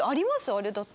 あれだって。